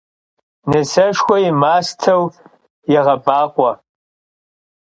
Nıseşşxue yi masteu yêğebakhue.